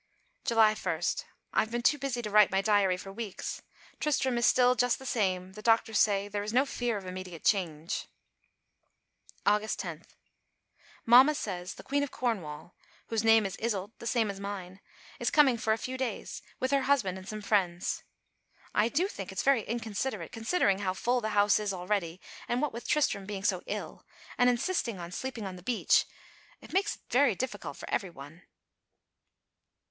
July 1. I've been too busy to write my diary for weeks. Tristram is still just the same. The doctors say there is no fear of immediate change. August 10. Mamma says the Queen of Cornwall (whose name is Iseult the same as mine) is coming for a few days, with her husband and some friends. I do think it's very inconsiderate, considering how full the house is already; and what with Tristram being so ill and insisting on sleeping on the beach it makes it very difficult for every one.